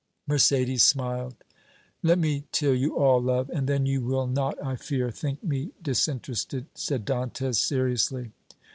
Mercédès smiled. "Let me tell you all, love, and then you will not, I fear, think me disinterested," said Dantès seriously.